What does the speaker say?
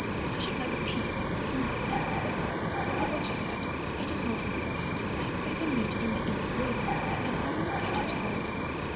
I should like a piece from that barrel." But the butcher said, "It is not good meat. I have better meat in the inner room, and I will get it for you."